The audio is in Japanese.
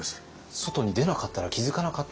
外に出なかったら気付かなかった？